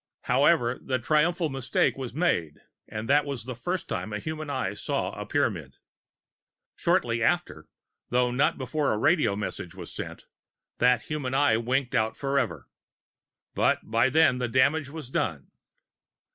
However, the triumphal mistake was made and that was the first time a human eye saw a Pyramid. Shortly after though not before a radio message was sent that human eye winked out forever; but by then the damage was done.